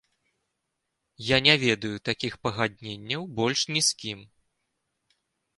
Я не ведаю такіх пагадненняў больш ні з кім!